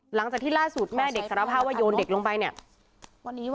หลังจากที่ล่าสุดแม่เด็กสารภาพว่าโยนเด็กลงไปเนี่ย